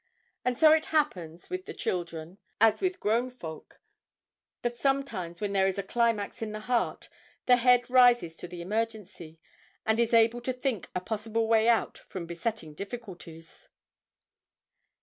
And so it happens with the children, as with grown folk, that sometimes when there is a climax in the heart the head rises to the emergency, and is able to think a possible way out from besetting difficulties.